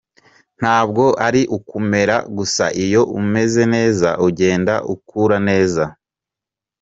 Ntabwo ari ukumera gusa, iyo umeze neza ugenda ukura neza.